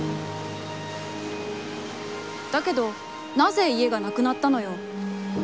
「だけど、なぜ家がなくなったのよ？」